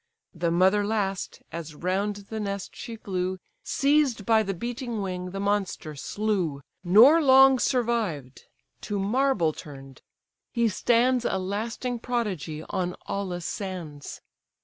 The mother last, as round the nest she flew, Seized by the beating wing, the monster slew; Nor long survived: to marble turn'd, he stands A lasting prodigy on Aulis' sands.